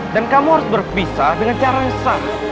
dan kamu harus berpisah dengan cara yang sah